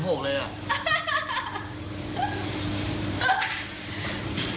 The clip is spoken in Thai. ๓๖หรือ๓๖เลยอะ